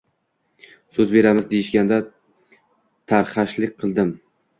So‘z beramiz deyishganda tarxashlik qildim.